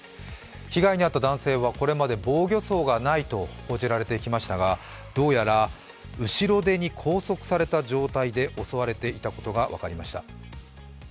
被害に遭った男性はこれまで防御創がないと伝えられていましたがどうやら後ろ手に拘束された状態で襲われていたことが分かりました。